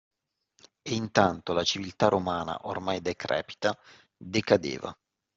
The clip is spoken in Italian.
E intanto la civiltà romana, ormai decrepita, decadeva